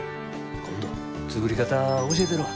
今度作り方教えたるわ。